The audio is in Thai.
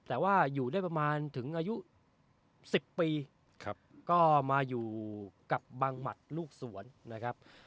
แต่ว่าอยู่ได้ประมาณถึงอายุ๑๐ปีก็มาอยู่กับบังหมัดลูกสวนนะครับ